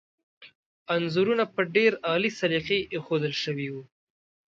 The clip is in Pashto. انځورونه په ډېر عالي سلیقې ایښودل شوي وو.